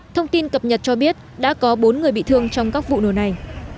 thông tin cập nhật cho biết đã có bốn người bị thương trong các vụ nổ này